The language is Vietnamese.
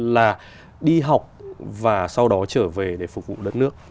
là đi học và sau đó trở về để phục vụ đất nước